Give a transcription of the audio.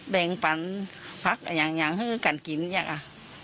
แบ่งปั่นผักอย่างอย่างฮือกันกินเนี่ยก่ะ